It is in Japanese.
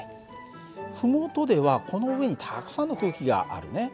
麓ではこの上にたくさんの空気があるね。